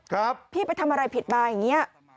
ครับพี่ไปทำอะไรผิดมาอย่างเงี้ย